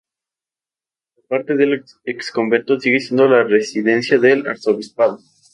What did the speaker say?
La parte del exconvento sigue siendo la residencia del arzobispado.